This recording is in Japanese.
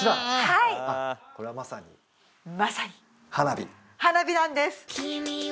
はいこれはまさにまさに花火花火なんです